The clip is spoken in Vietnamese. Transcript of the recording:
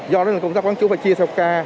do đó là công tác bán chú phải chia theo ca